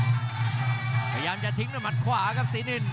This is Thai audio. พยายามจะทิ้งด้วยหมัดขวาครับศรีนิน